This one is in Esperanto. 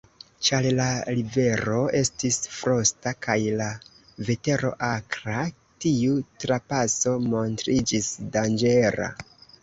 Ĉar la rivero estis frosta kaj la vetero akra, tiu trapaso montriĝis danĝera.